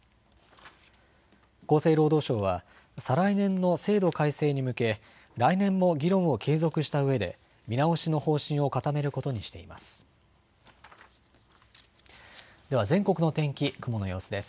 厚生労働省は再来年の制度改正に向け来年も議論を継続したうえで見直しの方針を固めることにしています。